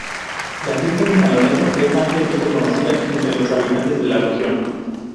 La fiesta de San Lorenzo es ampliamente conocida entre los habitantes de la región.